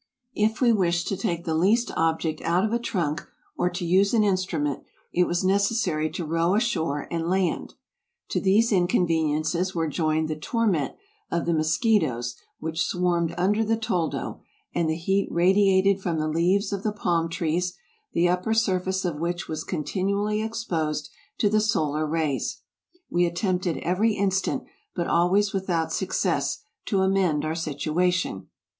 If we wished to take the least object out of a trunk, or to use an instrument, it was necessary to row ashore and land. To these inconveniences were joined the torment of the mosquitoes which swarmed under the toldo, and the heat radiated from the leaves of the palm trees, the upper surface of which was continually exposed to the solar rays. We attempted every instant, but always without suc cess, to amend our situation.